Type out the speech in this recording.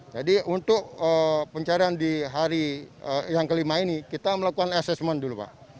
jadi untuk pencarian di hari yang kelima ini kita melakukan assessment dulu pak